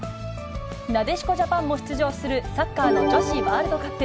なでしこジャパンも出場するサッカーの女子ワールドカップ。